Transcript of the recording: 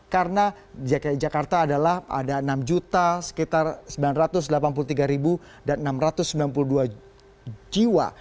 karena dki jakarta adalah ada enam juta sekitar sembilan ratus delapan puluh tiga ribu dan enam ratus sembilan puluh dua jiwa